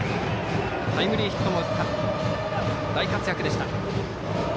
タイムリーヒットも打って大活躍でした。